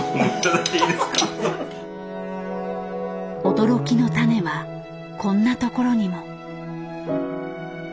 驚きの種はこんなところにも。